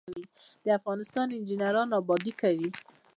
د افغانستان انجنیران ابادي کوي